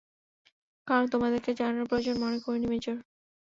কারণ, তোমাদেরকে জানানোর প্রয়োজন মনে করিনি, মেজর।